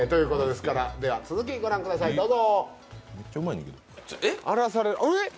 続き、ご覧くださいどうぞ。